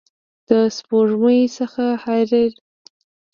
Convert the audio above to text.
د سپوږمۍ څخه حریر